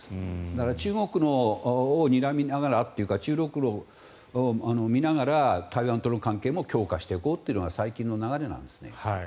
だから、中国をにらみながらというか中国を見ながら台湾との関係も強化していこうっていうのが最近の流れなんですね。